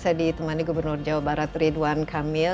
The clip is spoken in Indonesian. eri temani gubernur jawa barat ridwan kamil